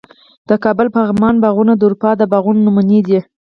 د کابل پغمان باغونه د اروپا د باغونو نمونې دي